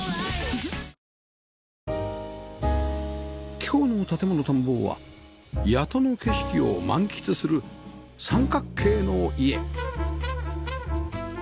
今日の『建もの探訪』は谷戸の景色を満喫する三角形の家